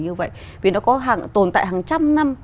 như vậy vì nó có tồn tại hàng trăm năm